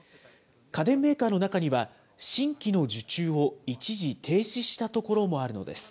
家電メーカーの中には、新規の受注を一時停止したところもあるのです。